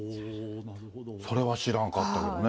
それは知らんかったよね。